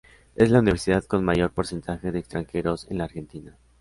Es la universidad con mayor porcentaje de extranjeros en la Argentina.